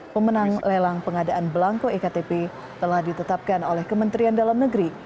pemenang lelang pengadaan belangko ektp telah ditetapkan oleh kementerian dalam negeri